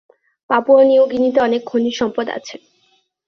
Papua new গিনিতে অনেক খনিজ সম্পদ আছে।